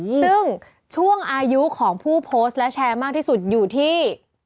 ซึ่งช่วงอายุของผู้โพสต์และแชร์มากที่สุดอยู่ที่